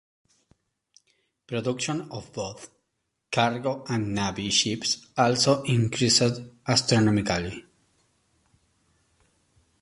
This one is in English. Production of both cargo and Navy ships also increased astronomically.